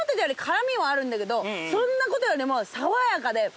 そんなことよりも。